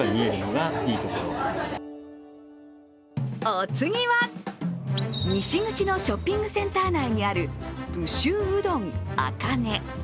お次は、西口のショッピングセンター内にある武州うどんあかね。